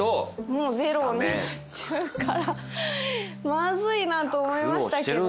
もうゼロになっちゃうからまずいなと思いましたけど。